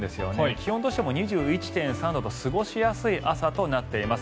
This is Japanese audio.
気温としても２１．３度と過ごしやすい朝となっています。